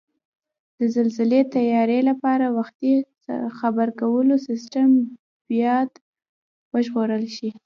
د زلزلې تیاري لپاره وختي خبرکولو سیستم بیاد ورغول شي